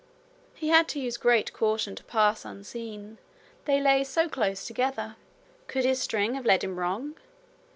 He had to use great caution to pass unseen they lay so close together. Could his string have led him wrong?